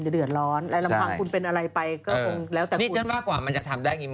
มีท่านผู้ชมชมคลิปจะขายไหมคะ